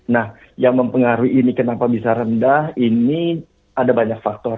nah yang mempengaruhi ini kenapa bisa rendah ini ada banyak faktor